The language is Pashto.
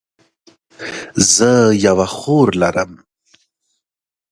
زه یوه خور لرم